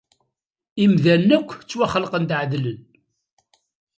Imdanen akk ttwaxelqen-d ɛedlen.